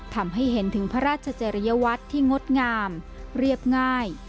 ทำให้เห็นถึงพระราชเจริยวัตรที่งดงามเรียบง่าย